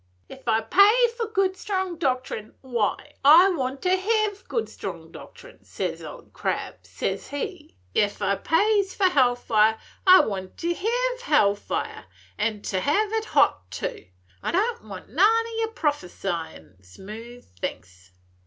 'Ef I pay for good strong doctrine, why, I want to hev good strong doctrine, says Old Crab, says he. 'Ef I pays for hell fire, I want to hev hell fire, and hev it hot too. I don't want none o' your prophesyin' smooth things.